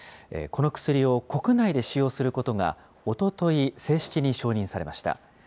この薬を国内で使用することが、おととい、正式に承認されました。